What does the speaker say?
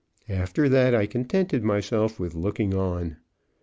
After that I contented myself with looking on.